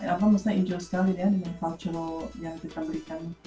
maksudnya enjoy sekali ya dengan kualitas yang diberikan